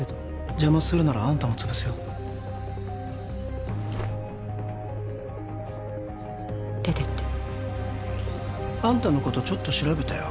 邪魔するならあんたも潰すよ出ていってあんたのことちょっと調べたよ